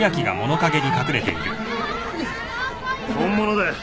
本物だよ。